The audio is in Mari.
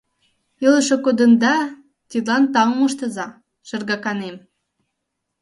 — Илыше кодында, тидлан таум ыштыза, шергаканем.